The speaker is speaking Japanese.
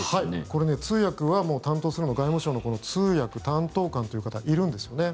これ、通訳は担当するのは外務省の通訳担当官という方いるんですよね。